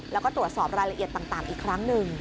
แล้วก็ตรวจสอบรายละเอียดต่างอีกครั้งหนึ่ง